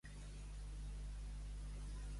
Aquest silenci és eixordador.